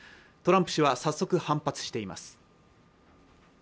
トランプ氏は早速反発しています